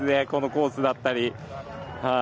このコースだったり。